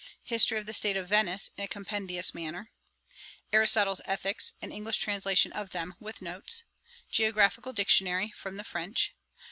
'History of the State of Venice, in a compendious manner. 'Aristotle's Ethicks, an English translation of them, with notes. 'Geographical Dictionary, from the French.